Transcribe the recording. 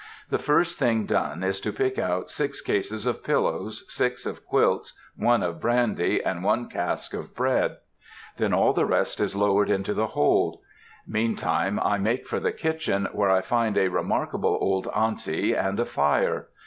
The first thing done is to pick out six cases of pillows, six of quilts, one of brandy, and one cask of bread. Then all the rest is lowered into the hold. Meantime I make for the kitchen, where I find a remarkable old aunty and a fire.